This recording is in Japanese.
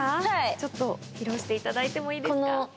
ちょっと披露していただいてもいいですか？